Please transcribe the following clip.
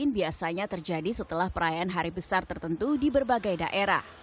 biasanya terjadi setelah perayaan hari besar tertentu di berbagai daerah